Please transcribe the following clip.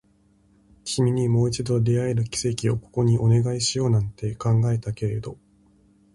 君にもう一度出会える奇跡をここにお願いしようなんて考えたけれど